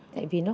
thì nó khóa